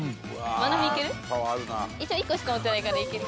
まな美いける？